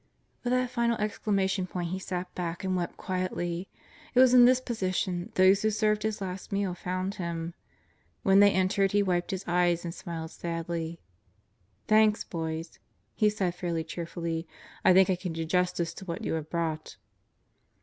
With that final exclamation point he sat back and wept quietly. It was in this position those who served his last meal found him. When they entered he wiped his eyes and smiled sadly. "Thanks, boys," he said fairly cheerfully, "I think I can do justice to what you have brought."